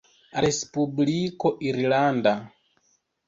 Respubliko Irlanda.